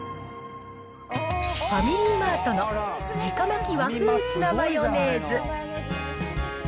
ファミリーマートの直巻和風ツナマヨネーズ。